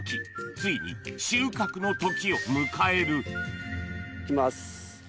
ついに収穫の時を迎えるいきます。